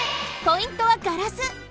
ポイントはガラス！